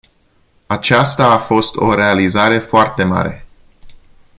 Aceasta a fost o realizare foarte mare.